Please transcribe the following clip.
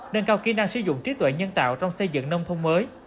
nâng cao kỹ năng sử dụng trí tuệ nhân tạo trong xây dựng nông thôn mới